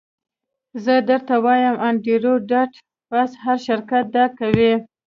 زه درته وایم انډریو ډاټ باس هر شرکت دا کوي